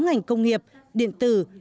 máy nông nghiệp và các doanh nghiệp